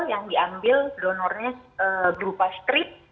yang diambil donornya berupa strip